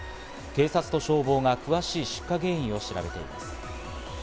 警察と消防が詳しい出火原因を調べています。